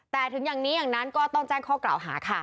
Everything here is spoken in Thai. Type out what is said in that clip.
แต่ถึงอย่างนี้อย่างนั้นก็ต้องแจ้งข้อกล่าวหาค่ะ